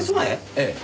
ええ。